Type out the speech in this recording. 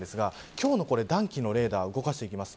今日の暖気のレーダーを動かしていきます。